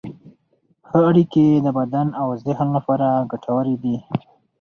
ښه اړیکې د بدن او ذهن لپاره ګټورې دي.